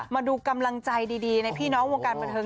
มาดูกำลังใจดีในพี่น้องวงการบันเทิง